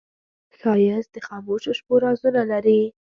ښایست د خاموشو شپو رازونه لري